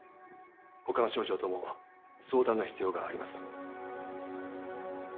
他の省庁とも相談の必要があります。